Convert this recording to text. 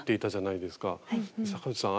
坂内さん